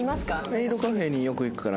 メイドカフェによく行くから。